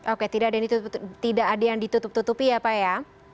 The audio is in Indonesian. oke tidak ada yang ditutup tutupi ya pak ya